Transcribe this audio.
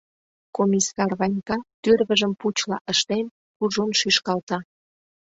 Комиссар Ванька, тӱрвыжым пучла ыштен, кужун шӱшкалта: